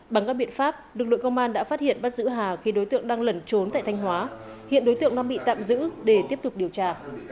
bằng các biện pháp lực lượng công an đã phát hiện bắt giữ hà khi đối tượng đang lẩn trốn tại thanh hóa hiện đối tượng đang bị tạm giữ để tiếp tục điều tra